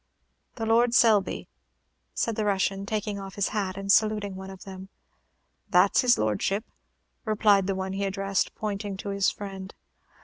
"The Lord Selby," said the Russian, taking off his hat and saluting one of them. "That's his Lordship," replied the one he addressed, pointing to his friend.